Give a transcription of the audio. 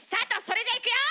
それじゃいくよ！